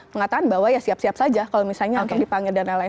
mengatakan bahwa ya siap siap saja kalau misalnya untuk dipanggil dan lain lain